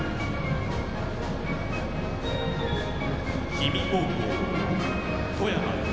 氷見高校・富山。